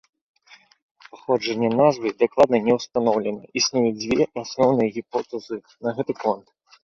Паходжанне назвы дакладна не ўстаноўлена, існуюць дзве асноўныя гіпотэзы на гэты конт.